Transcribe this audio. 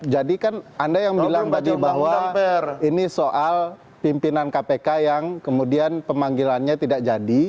jadi kan anda yang bilang pak jil bahwa ini soal pimpinan kpk yang kemudian pemanggilannya tidak jadi